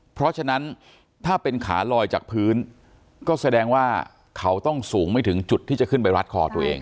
เพราะฉะนั้นถ้าเป็นขาลอยจากพื้นก็แสดงว่าเขาต้องสูงไม่ถึงจุดที่จะขึ้นไปรัดคอตัวเอง